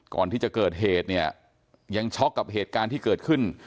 ก่อนที่จะเกิดเหตุเนี่ยยังช็อกกับเหตุการณ์ที่เกิดขึ้น